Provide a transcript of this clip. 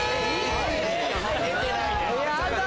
出てないで！